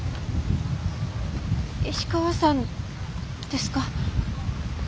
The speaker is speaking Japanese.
石川さんですか？